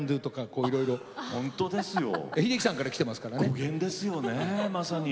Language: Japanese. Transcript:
語源ですよねまさに。